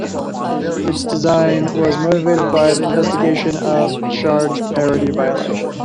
Its design was motivated by the investigation of Charge Parity violation.